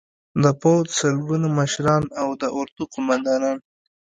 د پوځ سلګونه مشران او د اردو قومندانان